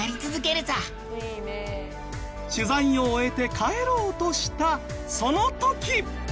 取材を終えて帰ろうとしたその時。